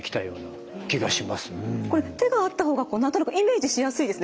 これ手があった方が何となくイメージしやすいですね